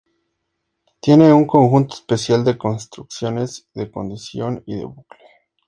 Tiene un conjunto especial de construcciones de condición y de bucle.